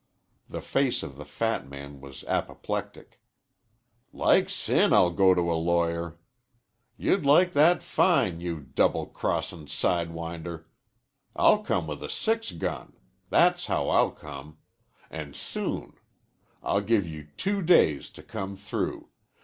The face of the fat man was apoplectic. "Like sin I'll go to a lawyer. You'd like that fine, you double crossin' sidewinder. I'll come with a six gun. That's how I'll come. An' soon. I'll give you two days to come through.